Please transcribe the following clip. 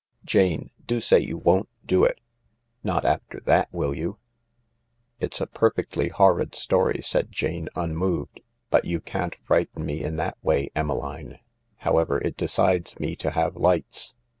M Jane, do say you won't do it. Not after that, will you 2 " 14 It's a perfectly horrid story," said Jane, unmoved, " but you can't frighten me in that way, Emmeline. However, it decides me to have lights.